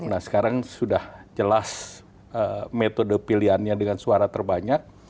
nah sekarang sudah jelas metode pilihannya dengan suara terbanyak